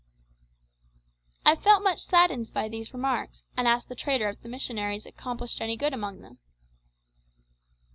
I felt much saddened by these remarks, and asked the trader if the missionaries accomplished any good among them.